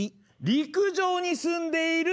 陸上に住んでいる。